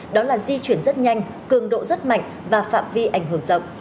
đó là di chuyển rất nhanh cường độ rất mạnh và phạm vi ảnh hưởng rộng